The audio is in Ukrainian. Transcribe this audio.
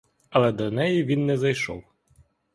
Але до неї він не зайшов.